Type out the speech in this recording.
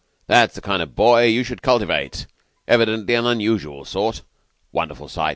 That's the kind of boy you should cultivate. Evidently an unusual sort. A wonderful sight.